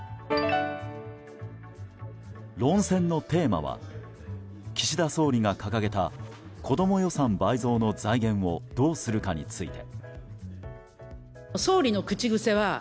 論戦のテーマは岸田総理が掲げた子ども予算倍増の財源をどうするかについて。